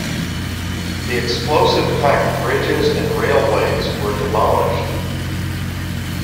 The explosive-packed bridges and railways were demolished.